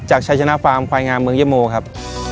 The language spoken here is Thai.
จากชายชนะฟาร์มควายงามเมืองเยี่ยมโมครับ